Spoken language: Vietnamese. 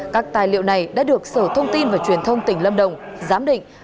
các tài liệu này đã được sở thông tin và truyền thông tỉnh lâm đồng giám định